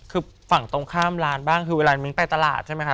คือฝั่งตรงข้ามร้านบ้างคือเวลามิ้งไปตลาดใช่ไหมคะ